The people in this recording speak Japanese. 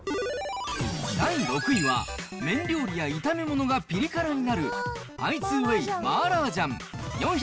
第６位は、麺料理や炒め物がぴり辛になる、アイツーウェイのマーラージャン。